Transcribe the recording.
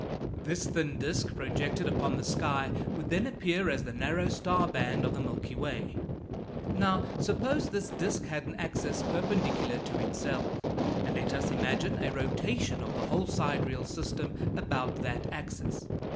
This thin disk projected upon the sky would then appear as the narrow star band of the Milky Way. Now, suppose this disk has an axis perpendicular to itself, and let us imagine a rotation of the whole sidereal system about that axis.